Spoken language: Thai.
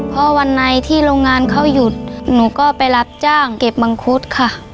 เพราะวันไหนที่โรงงานเขาหยุดหนูก็ไปรับจ้างเก็บมังคุดค่ะ